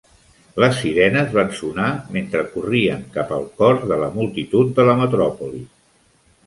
Les sirenes van sonar mentre corrien cap al cor de la multitud de la metròpoli.